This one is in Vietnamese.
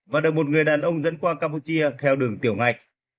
và được một người đàn ông dẫn qua campuchia theo đường tiểu ngạch